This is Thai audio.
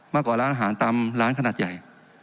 มากกว่าร้านอาหารตามร้านขนาดใหญ่